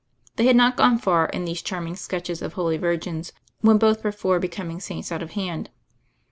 They had not gone far in these charming sketches of holy virgins when both were for becoming saints out of hand.